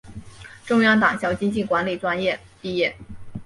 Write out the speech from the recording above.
中央党校经济管理专业毕业。